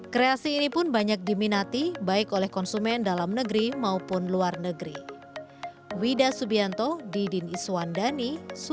kreasi ini pun banyak diminati baik oleh konsumen dalam negeri maupun luar negeri